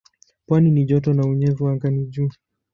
Pwani ni joto na unyevu anga ni juu.